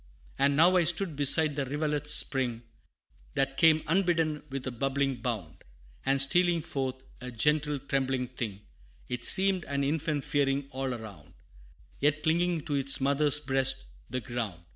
And now I stood beside that rivulet's spring, That came unbidden with a bubbling bound And stealing forth, a gentle trembling thing, It seemed an infant fearing all around Yet clinging to its mother's breast the ground.